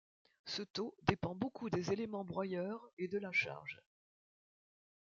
Ce taux dépend beaucoup des éléments broyeurs et de la charge.